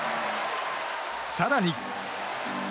更に。